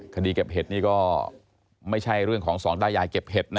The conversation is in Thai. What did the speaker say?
คดีเก็บเห็ดนี่ก็ไม่ใช่เรื่องของสองตายายเก็บเห็ดนะ